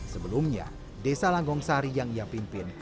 sebelumnya desa langgong sari yang ia pimpin